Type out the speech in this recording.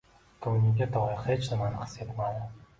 Ko‘ngliga doir hech nimani his etmadi.